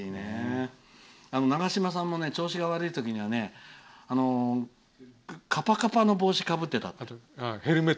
長嶋さんも調子が悪いときにはかぱかぱの帽子をかぶってた。